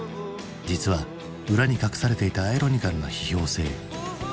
実は裏に隠されていたアイロニカルな批評性。